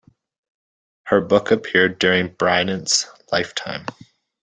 Her book appeared during Bryant's lifetime.